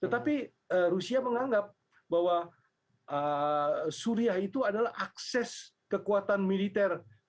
tetapi rusia menganggap bahwa suriah itu adalah akses kekuatan militer